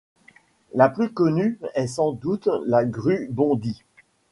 La plus connue est sans doute la grue Bondy.